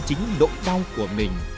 chính lỗ đau của mình